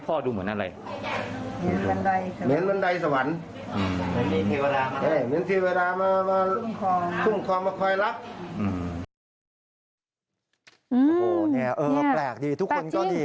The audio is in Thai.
โอ้โฮแปลกดีทุกคนก็ดี